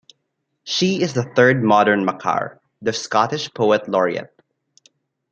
She is the third modern Makar, the Scottish poet laureate.